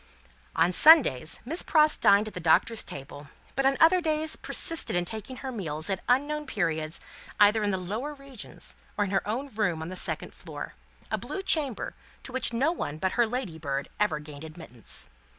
On Sundays, Miss Pross dined at the Doctor's table, but on other days persisted in taking her meals at unknown periods, either in the lower regions, or in her own room on the second floor a blue chamber, to which no one but her Ladybird ever gained admittance.